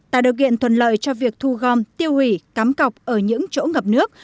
tại điều kiện thuần lợi cho việc thu gom tiêu hủy cắm cọc ở những chỗ ngập nước